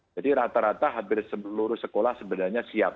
jadi rata rata hampir seluruh sekolah sebenarnya siap